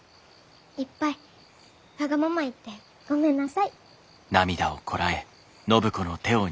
いっぱいわがまま言ってごめんなさい。